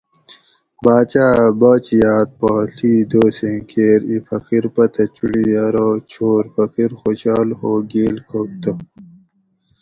باۤچاۤ اۤ باچیاۤت پا ڷی دوسیں کیر اِیں فقیر پتہ چُنڑی ارو چھور فقیر خوشحال ہو گیل کھگ تہ